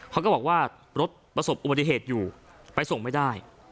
เขาก็บอกว่ารถประสบอุบัติเหตุอยู่ไปส่งไม่ได้